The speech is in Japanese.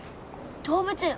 動物園！